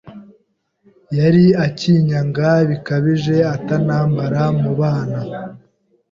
yari akinyanga bikabije atanambara mu bana